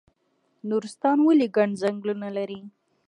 نورستان ولې ګڼ ځنګلونه لري؟